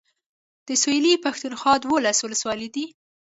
د سويلي پښتونخوا دولس اولسولۍ دي.